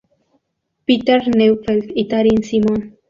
Peter Neufeld y Taryn Simon.